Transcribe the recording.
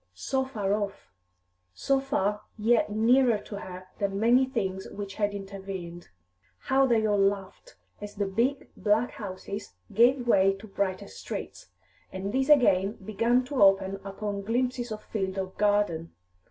so far off; so far, yet nearer to her than many things which had intervened. How they all laughed, as the big, black houses gave way to brighter streets, and these again began to open upon glimpses of field or garden!